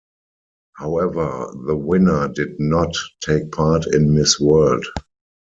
However, the winner did not take part in Miss World.